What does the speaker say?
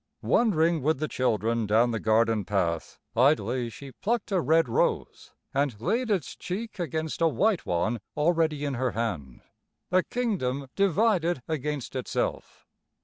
Wandering with the children down the garden path, idly she plucked a red rose and laid its cheek against a white one already in her hand. A kingdom divided against itself.